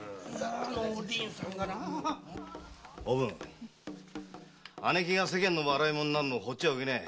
おぶん姉貴が世間の笑い者になるのを放っちゃおけない。